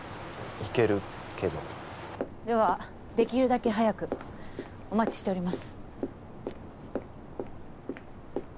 行けるけどではできるだけ早くお待ちしております